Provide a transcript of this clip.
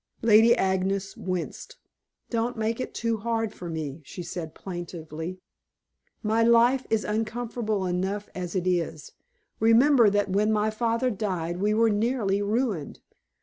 Lady Agnes winced. "Don't make it too hard for me," she said plaintively. "My life is uncomfortable enough as it is. Remember that when my father died we were nearly ruined.